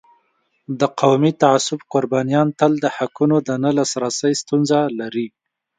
د قومي تعصب قربانیان تل د حقونو د نه لاسرسی ستونزه لري.